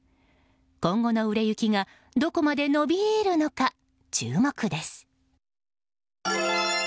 今後の売れ行きがどこまで伸びるのか注目です。